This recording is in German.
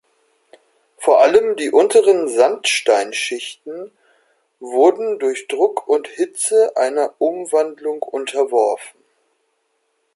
Vor allem die unteren Sandsteinschichten wurden durch Druck und Hitze einer Umwandlung unterworfen.